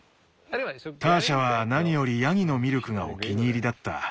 ターシャは何よりヤギのミルクがお気に入りだった。